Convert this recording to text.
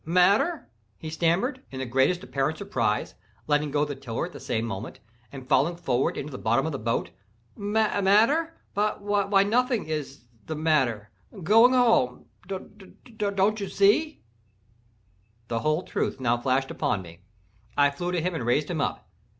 "Matter!" he stammered, in the greatest apparent surprise, letting go the tiller at the same moment, and falling forward into the bottom of the boat—"matter—why, nothing is the—matter—going home—d—d—don't you see?" The whole truth now flashed upon me. I flew to him and raised him up.